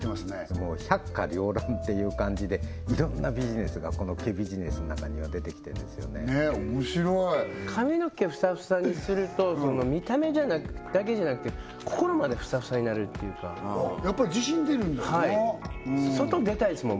もう百花繚乱っていう感じでいろんなビジネスがこの毛ビジネスの中には出てきてるんですよねねっおもしろい髪の毛フサフサにすると見た目だけじゃなくて心までフサフサになれるというかやっぱり自信出るんだよなはい外出たいですもん